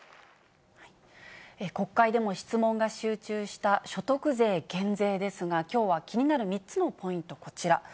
国会でも質問が集中した所得税減税ですが、きょうは気になる３つのポイント、こちら。